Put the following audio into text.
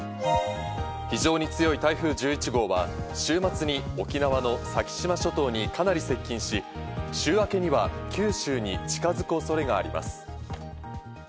非常に強い台風１１号は週末に沖縄の先島諸島にかなり接近し、週明けには九州に近づく恐れがあります。